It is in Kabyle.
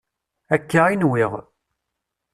Akka i nwiɣ.